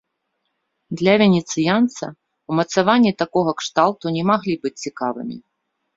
Для венецыянца умацаванні такога кшталту не маглі быць цікавымі.